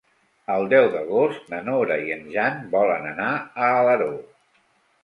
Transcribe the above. El deu d'agost na Nora i en Jan volen anar a Alaró.